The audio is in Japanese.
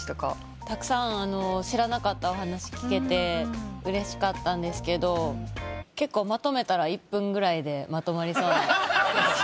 たくさん知らなかったお話聞けてうれしかったんですけど結構まとめたら１分ぐらいでまとまりそうな。